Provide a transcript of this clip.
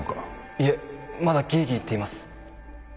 いえまだギーギーいっています。